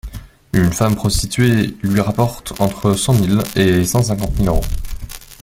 Une femme prostituée lui rapporte entre cent mille et cent cinquante mille euros.